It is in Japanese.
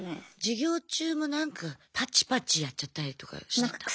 授業中もなんかパチパチやっちゃったりとかしてた？